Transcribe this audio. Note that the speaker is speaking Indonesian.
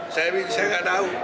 saya gak tahu